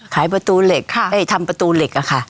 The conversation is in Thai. ขายประตูเหล็กทำประตูเหล็กอะค่ะ